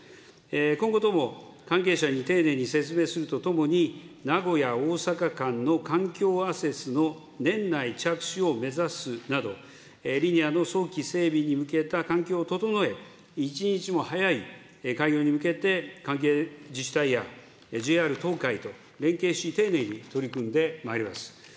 今後とも、関係者に丁寧に説明するとともに、名古屋・大阪間の環境アセスの年内着手を目指すなど、リニアの早期整備に向けた環境を整え、一日も早い開業に向けて、関係自治体やＪＲ東海と連携し、丁寧に取り組んでまいります。